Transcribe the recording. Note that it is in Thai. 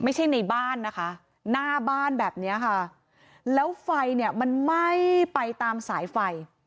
ในบ้านนะคะหน้าบ้านแบบเนี้ยค่ะแล้วไฟเนี่ยมันไหม้ไปตามสายไฟ